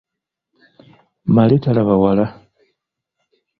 Male talaba wala.